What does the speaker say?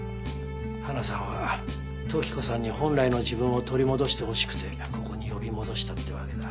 花さんは時子さんに本来の自分を取り戻してほしくてここに呼び戻したってわけだ。